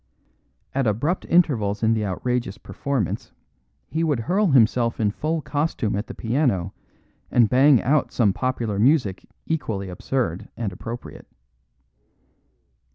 At abrupt intervals in the outrageous performance he would hurl himself in full costume at the piano and bang out some popular music equally absurd and appropriate.